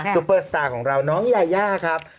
ปเปอร์สตาร์ของเราน้องยายาครับ